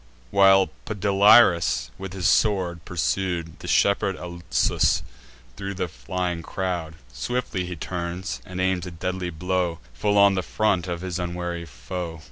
While Podalirius, with his sword, pursued The shepherd Alsus thro' the flying crowd, Swiftly he turns, and aims a deadly blow Full on the front of his unwary foe.